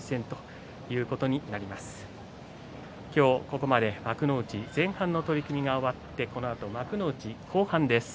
ここまで幕内前半の取組が終わってこのあと幕内後半です。